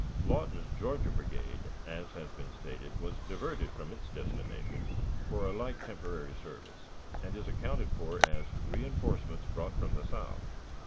Lawton's Georgia brigade, as has been stated, was diverted from its destination for a like temporary service, and is accounted for as reënforcements brought from the south.